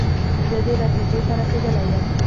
زه دې نتیجې ته رسېدلی یم.